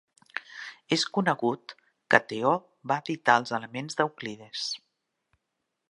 És conegut que Teó va editar els "Elements" d'Euclides.